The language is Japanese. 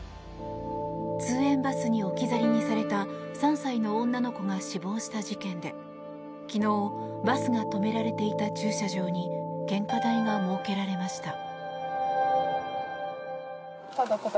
通園バスに置き去りにされた３歳の女の子が死亡した事件で昨日バスが止められていた駐車場に献花台が設けられました。